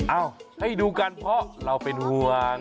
เอาให้ดูกันเพราะเราเป็นห่วง